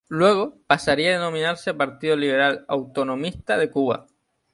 Luego, pasaría a denominarse Partido Liberal Autonomista de Cuba.